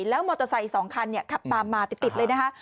แล้วมอเตอร์ไซค์๒คันขับตามมาติดเลยนะคะ